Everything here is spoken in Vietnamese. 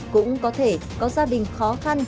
cũng có thể có gia đình khó khăn